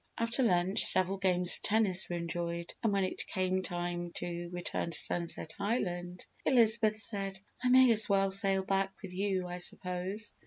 After lunch, several games of tennis were enjoyed and when it came time to return to Sunset Island Elizabeth said, "I may as well sail back with you, I suppose."